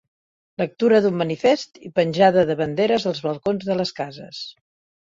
Lectura d'un manifest i penjada de banderes als balcons de les cases.